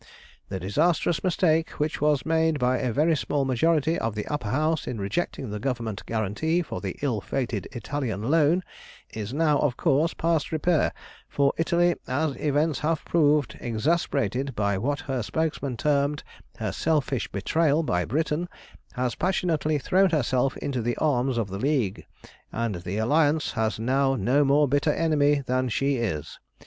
"The disastrous mistake which was made by a very small majority of the Upper House in rejecting the Government guarantee for the ill fated Italian loan is now, of course, past repair; for Italy, as events have proved, exasperated by what her spokesmen termed her selfish betrayal by Britain, has passionately thrown herself into the arms of the League, and the Alliance has now no more bitter enemy than she is.